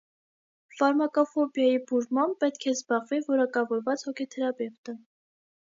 Ֆարմակոֆոբիայի բուժմամբ պետք է զբաղվի որակավորված հոգեթերապևտը։